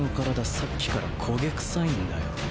さっきから焦げ臭いんだよ。